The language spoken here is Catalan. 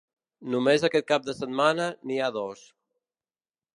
Només aquest cap de setmana n’hi ha dos.